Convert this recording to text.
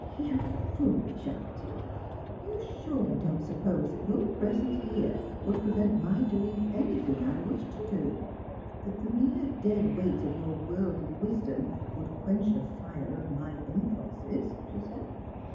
" You foolish auntie ! you surely don't suppose that your pre sence hei'e would prevent my doing any thing I wished to do ; that the mere dead weight of your worldly wisdom would quench *he fire of my impulses? " she said.